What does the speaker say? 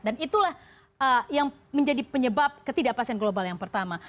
dan itulah yang menjadi penyebab ketidakpastian global yang pertama